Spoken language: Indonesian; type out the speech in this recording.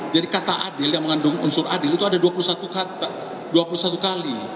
jadi kata adil yang mengandung unsur adil itu ada dua puluh satu kali